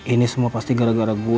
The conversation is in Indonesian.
ini semua pasti gara gara gua nih